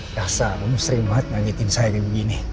dasar kamu sering banget nganjetin saya kayak begini